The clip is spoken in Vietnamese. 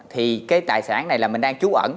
thì cái tài sản này là mình đang trú ẩn